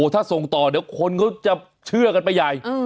ถ้าส่งต่อเดี๋ยวคนเขาจะเชื่อกันไปใหญ่